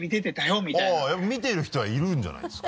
やっぱり見てる人はいるんじゃないですか。